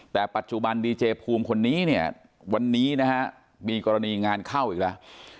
แต่ปัจจุบันดีเจภูมิคนนี้เนี่ยวันนี้นะฮะมีกรณีงานเข้าอีกแล้ว